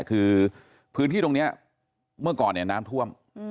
คือพื้นที่ตรงนี้เมื่อก่อนเนี่ยน้ำท่วม